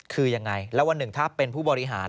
คือยังไงแล้ววันหนึ่งถ้าเป็นผู้บริหาร